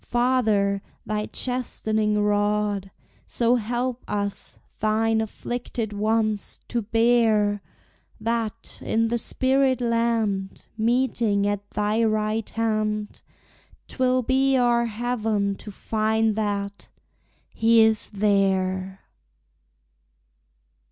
Father, thy chastening rod So help us, thine afflicted ones, to bear, That, in the spirit land, Meeting at thy right hand, 'Twill be our heaven to find that he is there!